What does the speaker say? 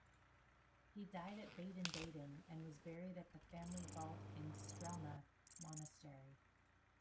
He died at Baden-Baden and was buried at the family vault in Strelna Monastery.